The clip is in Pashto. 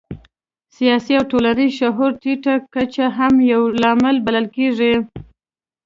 سیاسي او ټولنیز شعور ټیټه کچه هم یو لامل بلل کېږي.